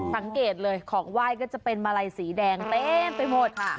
สังเกตเลยของไหว้ก็จะเป็นมาลัยสีแดงเต็มไปหมดค่ะ